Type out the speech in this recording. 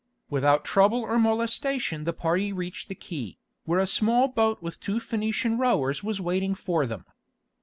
Without trouble or molestation the party reached the quay, where a small boat with two Phœnician rowers was waiting for them.